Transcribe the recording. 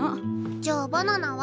じゃあバナナは？